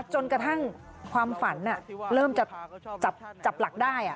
จนกระทั่งความฝันเริ่มจะจับหลักได้